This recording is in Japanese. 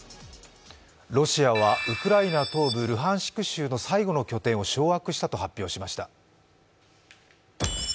ロシアはウクライナ東部ルハンシク州の最後の拠点を掌握したと発表しました。